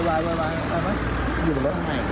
ได้ไหมหยุดรถให้ไหม